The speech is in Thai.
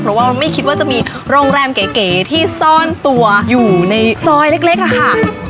เพราะว่าไม่คิดว่าจะมีโรงแรมเก๋ที่ซ่อนตัวอยู่ในซอยเล็กอะค่ะ